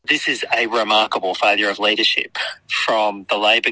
ini adalah kegagalan yang luar biasa dari pemerintah labor